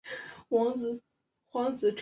小小斑叶兰为兰科斑叶兰属下的一个种。